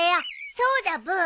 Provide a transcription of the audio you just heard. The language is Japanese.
そうだブー。